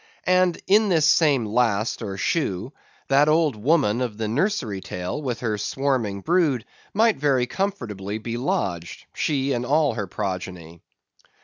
And in this same last or shoe, that old woman of the nursery tale, with the swarming brood, might very comfortably be lodged, she and all her progeny.